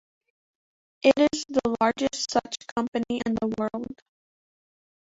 It is the largest such company in the world.